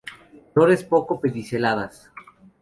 Flores poco pediceladas.